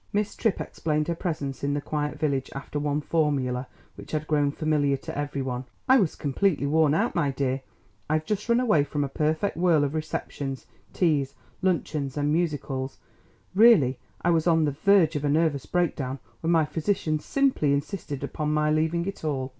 Miss Tripp explained her presence in the quiet village after one formula which had grown familiar to every one. "I was completely worn out, my dear; I've just run away from a perfect whirl of receptions, teas, luncheons and musicales; really, I was on the verge of a nervous breakdown when my physician simply insisted upon my leaving it all.